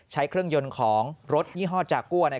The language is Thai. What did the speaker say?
ใช้เครื่องยนต์ของรถยี่ห้อจากัว